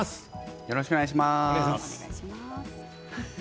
よろしくお願いします。